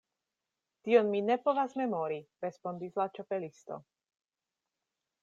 "Tion mi ne povas memori," respondis la Ĉapelisto.